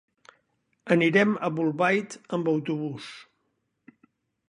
Anirem a Bolbait amb autobús.